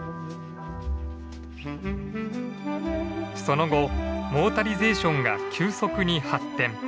その後モータリゼーションが急速に発展。